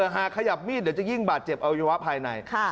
หากขยับมีดเดี๋ยวจะยิ่งบาดเจ็บอวัยวะภายใน